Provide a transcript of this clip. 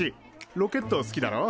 ロケット好きだろ？